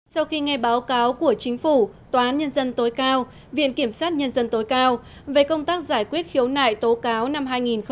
sau khi nghe báo cáo của chính phủ tòa án nhân dân tối cao viện kiểm sát nhân dân tối cao về công tác giải quyết khiếu nại tố cáo năm hai nghìn một mươi tám